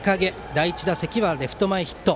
第１打席はレフト前ヒット。